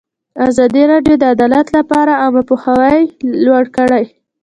ازادي راډیو د عدالت لپاره عامه پوهاوي لوړ کړی.